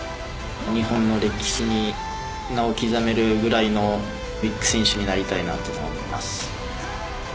日本の歴史に名を刻めるぐらいのビッグ選手になりたいなと思います。